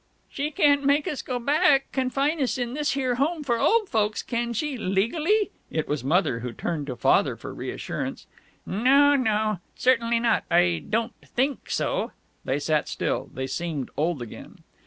"She can't make us go back confine us in this here home for old folks, can she, legally?" It was Mother who turned to Father for reassurance. "No, no. Certainly not.... I don't think so." They sat still. They seemed old again.